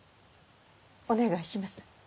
お願いします。